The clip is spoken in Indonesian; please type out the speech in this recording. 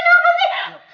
kenapa sih kenapa sih